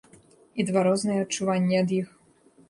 І два розныя адчуванні ад іх.